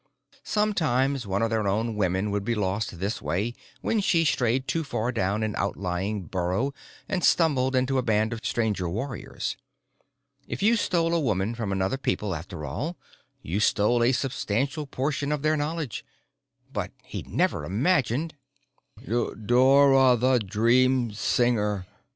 Sometimes one of their own women would be lost this way, when she strayed too far down an outlying burrow and stumbled into a band of Stranger warriors. If you stole a woman from another people, after all, you stole a substantial portion of their knowledge. But he'd never imagined "Dora the Dream Singer."